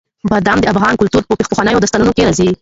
بادام د افغان کلتور په پخوانیو داستانونو کې راځي.